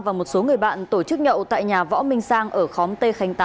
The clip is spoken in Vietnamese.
và một số người bạn tổ chức nhậu tại nhà võ minh sang ở khóm t khánh tám